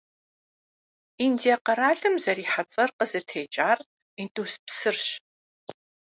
Индие къэралым зэрихьэ цӀэр къызытекӀар Индус псырщ.